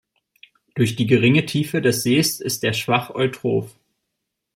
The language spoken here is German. Durch die geringe Tiefe des Sees ist er schwach eutroph.